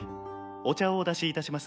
お茶をお出しいたします。